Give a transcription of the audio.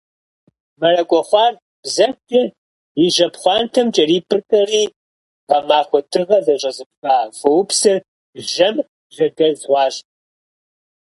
Мэракӏуэ хъуар, бзэгукӏэ и жьэпхъуантэм кӏэрипӏытӏэри, гъэмахуэ дыгъэ зыщӏэзыфа фоупсыр, жьэм жьэдэз хъуащ.